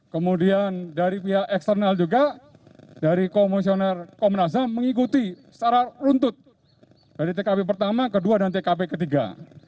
kemudian dari pihak eksternal juga dari komisioner komnas ham mengikuti secara runtut dari tkp pertama kedua dan tkp ketiga